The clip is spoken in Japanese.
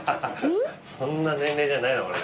そんな年齢じゃない俺ら。